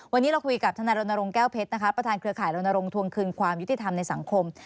วันนี้เราคุยกับทนายรณรงค์แก้วเพชรนะคะประธานเครือข่ายรณรงควงคืนความยุติธรรมในสังคม